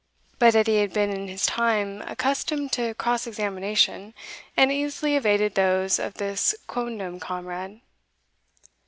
But Edie had been in his time accustomed to cross examination, and easily evaded those of his quondam comrade.